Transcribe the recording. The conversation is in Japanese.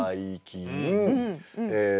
いいねえ！